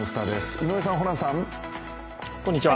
井上さん、ホランさん。